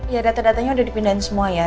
ya data datanya udah dipindahin semua ya